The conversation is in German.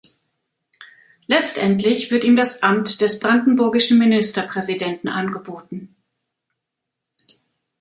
Letztendlich wird ihm das Amt des brandenburgischen Ministerpräsidenten angeboten.